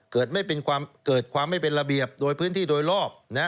เกิดความไม่เป็นระเบียบโดยพื้นที่โดยรอบ